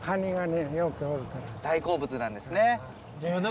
大好物なんですね。